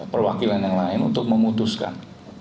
perwakilan yang lain untuk memutuskan